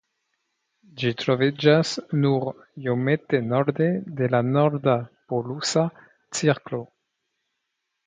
Ĝi troviĝas nur iomete norde de la norda polusa cirklo.